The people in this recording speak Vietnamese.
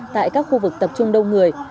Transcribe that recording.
tại các khu vực tập trung đông người